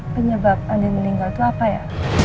penyebab andien meninggal itu apa ya